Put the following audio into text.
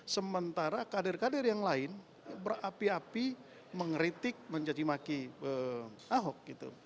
sementara kader kader yang lain berapi api mengeritik menjadi maki ahok